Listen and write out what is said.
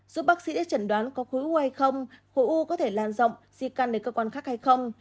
giúp bác sĩ chẩn đoán có khối u hay không khối u có thể lan rộng di căn đến cơ quan khác hay không